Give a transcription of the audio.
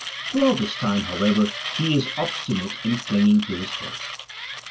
Throughout this time, however, he is obstinate in clinging to his post.